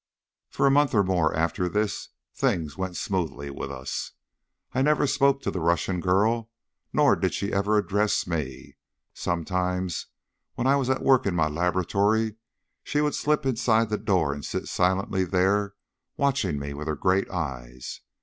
For a month or more after this things went smoothly with us. I never spoke to the Russian girl, nor did she ever address me. Sometimes when I was at work in my laboratory she would slip inside the door and sit silently there watching me with her great eyes.